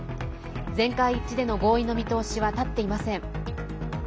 全会一致での合意の見通しは立っていません。